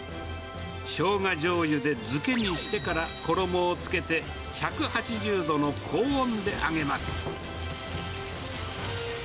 しょうがじょうゆで漬けにしてから衣をつけて、１８０度の高温で揚げます。